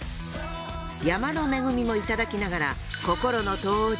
山の恵みもいただきながら心の湯治。